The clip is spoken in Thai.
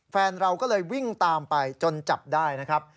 แฟนเราก็เลยวิ่งตามไปจนจับได้นะครับ